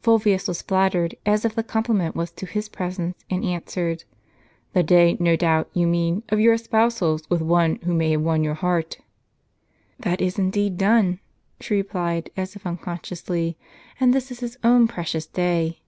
Fulvius was flattered, as if the compliment was to his presence, and answered, "The day, no doubt you mean, of your espousals with one who may have won your heart." "That is indeed done," she replied, as if unconsciously; " and this is his own precious day."